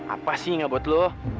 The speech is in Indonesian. apa sih enggak buat lo